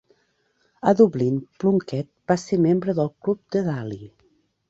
A Dublín, Plunket va ser membre del Club de Daly.